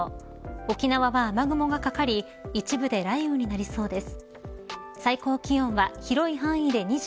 沖縄は雨雲がかかり一部で雷雨になりそうです。